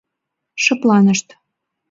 Шыпланышт.